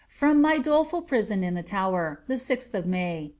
"From my doleful prison in the Tower, the 6th of May.